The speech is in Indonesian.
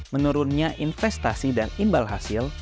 menurunnya investasi dan imbal hasil